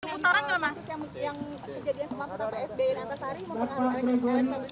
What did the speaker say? yang kejadian semangat pak sbe di antasari mau mengaruhi rsi